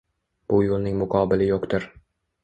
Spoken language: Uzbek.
Bu yo‘lning muqobili yo‘qdir.